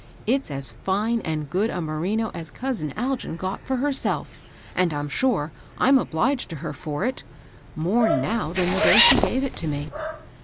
It's as fine and good a merino as cousin Algin got for herself; and I'm sure, I'm obliged to her for it, — more now than the day she gave it to me.